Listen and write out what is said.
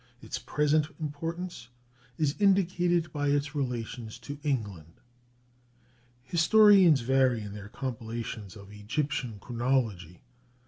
Its present importance is indicated by its relations to England. Historians vary in their compilations of Egyptian chronology.